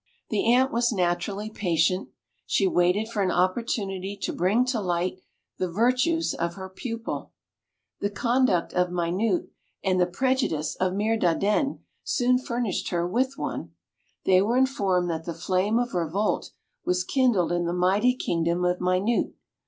The Ant was naturally patient: she waited for an opportunity to bring to light the virtues of her pupil. The conduct of Minute, and the prejudice of Mirdandenne, soon furnished her with one. They were informed that the flame of revolt was kindled in the mighty kingdom of Minute.